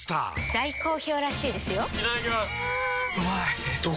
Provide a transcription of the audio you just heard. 大好評らしいですよんうまい！